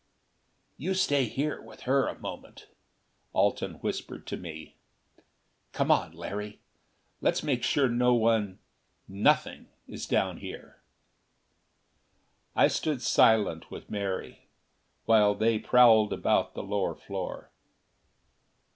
"You stay with her here, a moment," Alten whispered to me. "Come on, Larry. Let's make sure no one nothing is down here." I stood silent with Mary, while they prowled about the lower floor.